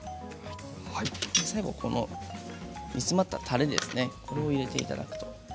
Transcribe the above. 最後この煮詰まったたれを入れていただくと。